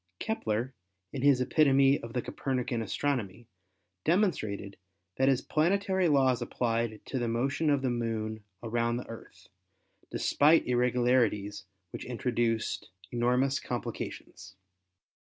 Kepler in his Epitome of the Copernican astronomy demonstrated that his planetary laws applied to the motion of the Moon around the Earth, despite irregularities which introduced enormous complications.